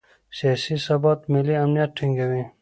سیاسي ثبات ملي امنیت ټینګوي